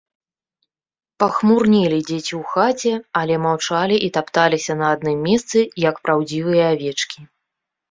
Пахмурнелі дзеці ў хаце, але маўчалі і тапталіся на адным месцы, як праўдзівыя авечкі.